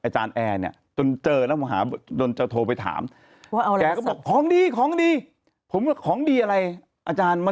กาวว่าวกาวว่าว